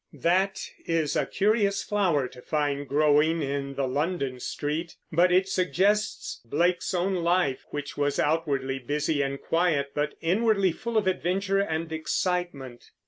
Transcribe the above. That is a curious flower to find growing in the London street; but it suggests Blake's own life, which was outwardly busy and quiet, but inwardly full of adventure and excitement.